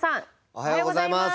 おはようございます。